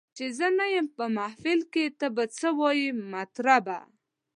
چي زه نه یم په محفل کي ته به څه وایې مطربه